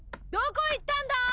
どこ行ったんだ！？